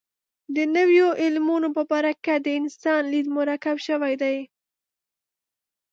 د نویو علومو په برکت د انسان لید مرکب شوی دی.